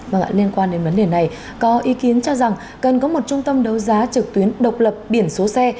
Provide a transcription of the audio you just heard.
vâng ạ liên quan đến vấn đề này có ý kiến cho rằng cần có một trung tâm đấu giá trực tuyến độc lập biển số xe